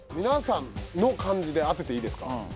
皆さんの感じで当てていいですか？